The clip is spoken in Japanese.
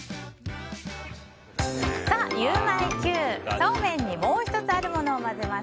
そうめんにもう１つあるものを混ぜます。